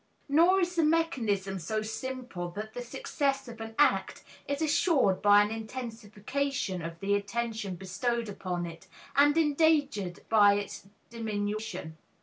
Nor is the mechanism so simple that the success of an act is assured by an intensification of the attention bestowed upon it, and endangered by its diminution.